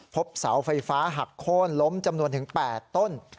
พบเสาไฟฟ้าหักโค้นล้มจำนวนถึง๘ต้น